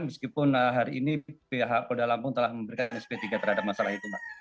meskipun hari ini pihak polda lampung telah memberikan sp tiga terhadap masalah itu mbak